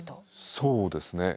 そうですね。